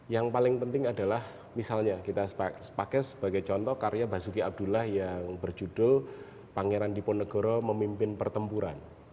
yang paling penting adalah misalnya kita pakai sebagai contoh karya basuki abdullah yang berjudul pangeran diponegoro memimpin pertempuran